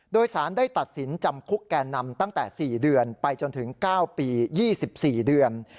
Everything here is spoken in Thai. โดยสารได้ตัดสินจำคุกแก่นำตั้งแต่๔เดือนไปจนถึง๙ปี๒๔เดือน